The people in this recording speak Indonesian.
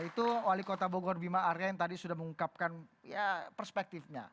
itu wali kota bogor bima arya yang tadi sudah mengungkapkan perspektifnya